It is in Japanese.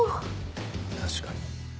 確かに。